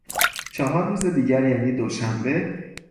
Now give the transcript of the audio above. چهار روز دیگر یعنی دوشنبه